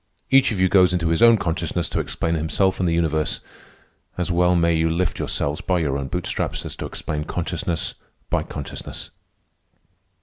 Each of you goes into his own consciousness to explain himself and the universe. As well may you lift yourselves by your own bootstraps as to explain consciousness by consciousness."